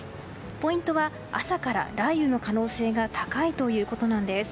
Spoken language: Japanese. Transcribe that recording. ポイントは朝から雷雨の可能性が高いということなんです。